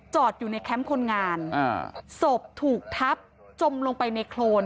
อยู่ในแคมป์คนงานอ่าศพถูกทับจมลงไปในโครน